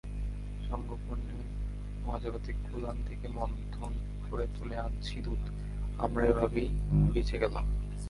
সংগোপনে মহাজাগতিক ওলান থেকে মন্থন করে তুলে আনছি দুধআমরা এভাবেই বেঁচে গেলাম।